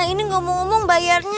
ini gak mau omong bayarnya